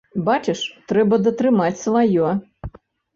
Бачыш, трэба датрымаць сваё.